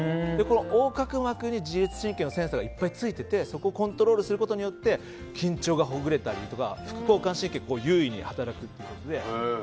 横隔膜に自律神経のセンサーがいっぱいついててそこをコントロールすることで緊張がほぐれたりとか副交感神経が優位に働くということで。